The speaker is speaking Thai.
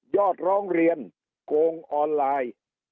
ร้องเรียนโกงออนไลน์